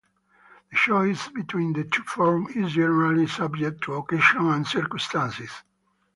The choice between the two forms is generally subject to occasion and circumstance.